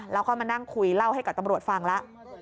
แล้วก็มานั่งคุยเล่าให้กับตำรวจฟังแล้ว